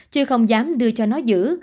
chứ không dám đưa cho nó giữ